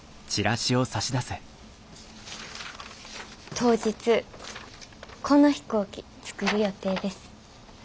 当日この飛行機作る予定です。